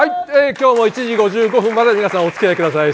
今日も１時５５分まで皆さん、おつきあいください。